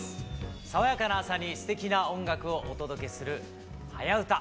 爽やかな朝にすてきな音楽をお届けする「はやウタ」。